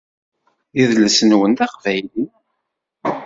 Idles-nwen d aqbayli.